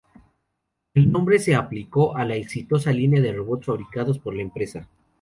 El nombre se aplicó a la exitosa línea de robots fabricados por la empresa.